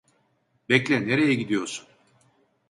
Bekle, nereye gidiyorsun?